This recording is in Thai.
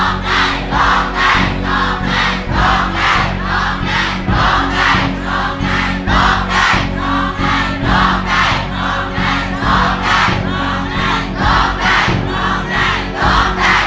ร้องได้ร้องได้ร้องได้ร้องได้ร้องได้